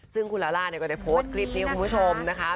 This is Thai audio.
ซึ่งคุณลาล่าเนี่ยก็ได้โพสต์คลิปนี้คุณผู้ชมนะคะ